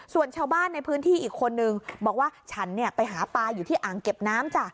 ส่วนชาวบ้านในพื้นที่อีกคนนึงบอกว่าฉันไปหาปลาอยู่ที่อ่างเก็บน้ำจ้ะ